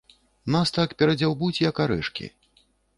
Нас так перадзяўбуць, як арэшкі.